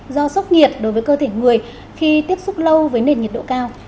do sốc nhiệt đối với cơ thể người khi tiếp xúc lâu với nền nhiệt độ cao